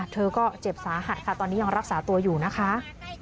เธอก็เจ็บสาหัสค่ะตอนนี้ยังรักษาตัวอยู่นะคะ